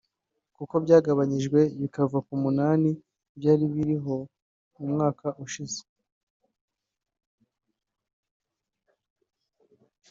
kuko byagabanyijwe bikava ku munani byari biriho mu mwaka ushize